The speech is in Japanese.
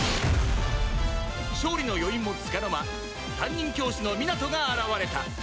勝利の余韻もつかの間担任教師のミナトが現れた